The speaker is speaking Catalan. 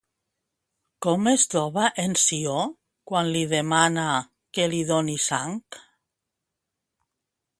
Com es troba en Ció quan li demana que li doni sang?